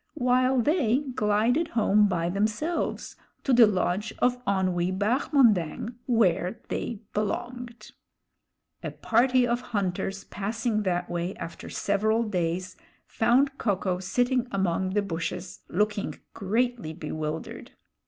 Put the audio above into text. while they glided home by themselves to the lodge of Onwee Bahmondang, where they belonged. A party of hunters passing that way after several days, found Ko ko sitting among the bushes, looking greatly bewildered.